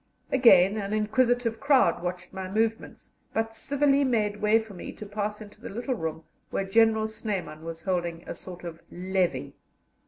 Again an inquisitive crowd watched my movements, but civilly made way for me to pass into the little room where General Snyman was holding a sort of levee.